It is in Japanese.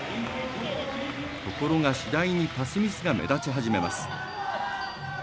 ところが、次第にパスミスが目立ち始めます。